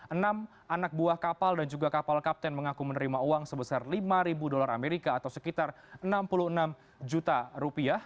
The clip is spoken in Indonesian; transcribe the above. enam anak buah kapal dan juga kapal kapten mengaku menerima uang sebesar lima dolar amerika atau sekitar enam puluh enam juta rupiah